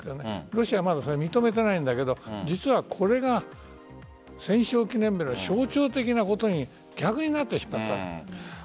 ロシアもそれは認めていないんだけど実はこれが戦勝記念日の象徴的なことに逆になってしまった。